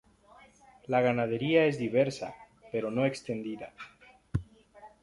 La ganadería es diversa, pero no extendida.